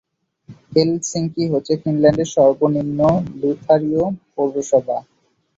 Helsinki হচ্ছে ফিনল্যান্ডের সর্বনিম্ন লুথারীয় পৌরসভা।